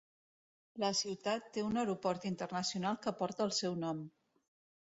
La ciutat té un aeroport internacional que porta el seu nom.